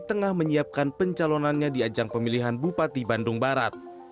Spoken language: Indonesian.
tengah menyiapkan pencalonannya di ajang pemilihan bupati bandung barat